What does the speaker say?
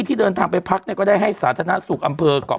ที่เดินทางไปพักเนี่ยก็ได้ให้สาธารณสุขอำเภอกเกาะ